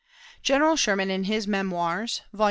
General Sherman, in his "Memoirs," vol.